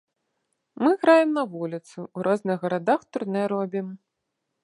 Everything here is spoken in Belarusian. Мы граем на вуліцы, у розных гарадах турнэ робім.